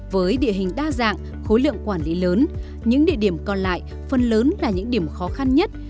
với địa hình đa dạng khối lượng quản lý lớn những địa điểm còn lại phần lớn là những điểm khó khăn nhất